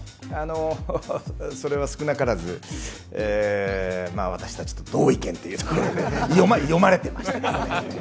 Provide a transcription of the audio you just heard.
それは少なからず、私たちと同意見というところで読まれてましたね。